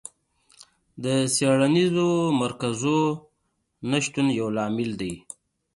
د څېړنیزو مرکزونو نشتون یو لامل دی.